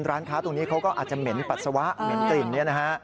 ร้านค้าตรงนี้เขาก็อาจจะเหม็นปัสสาวะเหม็นกลิ่นนี้นะฮะ